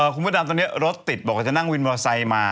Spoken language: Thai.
คุณพ่อดำตอนนี้รถติดบอกจะนั่งวินบราไซค์มา